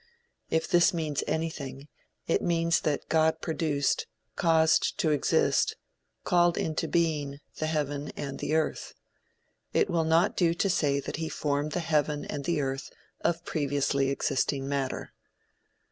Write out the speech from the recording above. If this means anything, it means that God produced, caused to exist, called into being, the heaven and the earth. It will not do to say that he formed the heaven and the earth of previously existing matter.